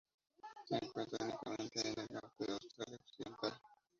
Se encuentra únicamente en el norte de Australia Occidental.